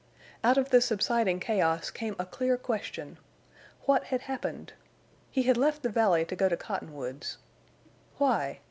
Out of the subsiding chaos came a clear question. What had happened? He had left the valley to go to Cottonwoods. Why?